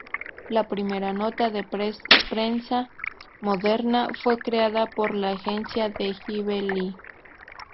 La primera nota de prensa moderna fue creada por la agencia de Ivy Lee.